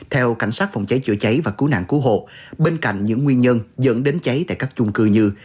theo cảnh sát phòng cháy chữa cháy và cứu nạn cứu hộ bên cạnh những nguyên nhân dẫn đến cháy tại các chung cư như